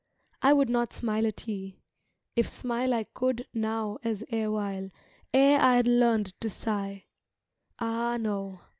I would not smile at ye—if smile I could Now as erewhile, ere I had learn'd to sigh: Ah, no!